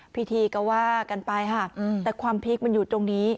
พิธีก็ว่ากันไปค่ะแต่ความพีคมันอยู่ตรงนี้